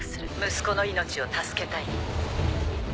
息子の命を助けたい？